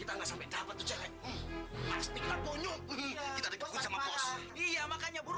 kalau kita gak sampai dapet